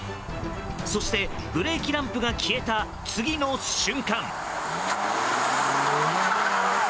そして、ブレーキランプが消えた次の瞬間。